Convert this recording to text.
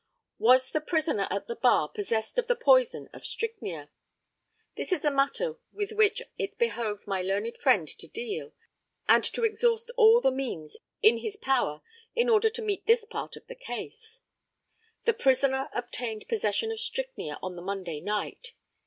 Was the prisoner at the bar possessed of the poison of strychnia? This is a matter with which it behoved my learned friend to deal, and to exhaust all the means in his power in order to meet this part of the case. The prisoner obtained possession of strychnia on the Monday night.